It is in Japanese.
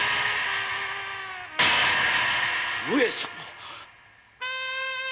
上様。